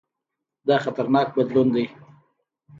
دا خطرناک بدلون دی.